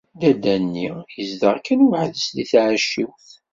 Dadda-nni izdeɣ kan weḥd-s di tɛecciwt.